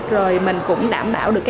rồi mình cũng đảm bảo được